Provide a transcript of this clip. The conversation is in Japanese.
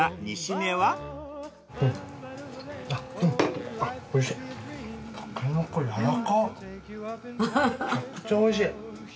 めっちゃおいしい。